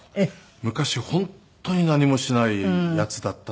昔本当に何もしないヤツだったんですけど。